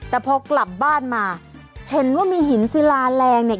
แต่พอกลับบ้านมาเห็นว่ามีหินศิลาแรงเนี่ย